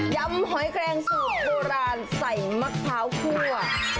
ำหอยแกรงสูตรโบราณใส่มะพร้าวคั่ว